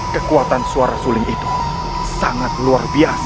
kekuatan suara suling itu sangat luar biasa